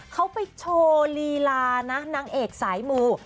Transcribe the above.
เขาไปโชว์ลีลานะนางเอกสายมู